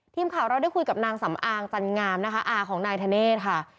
ทีมข่าวเราได้คุยกับนางสำอางจันงามนะคะอาของนายธเนธค่ะ